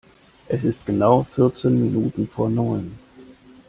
Es ist genau vierzehn Minuten vor neun!